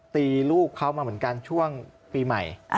ตีลูกเขามาเหมือนกันช่วงปีใหม่